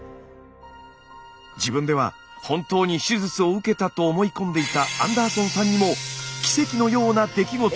自分では本当に手術を受けたと思い込んでいたアンダーソンさんにもえぇ？